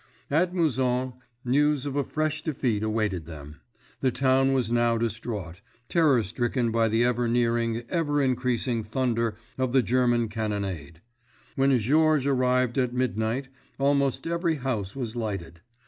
At Mouzon, news of a fresh defeat awaited them. The town was now distraught, terror stricken by the ever nearing, ever increasing thunder of the German cannonade. When Georges arrived at midnight, almost every house was lighted.